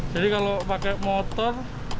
jadi kalau pakai motor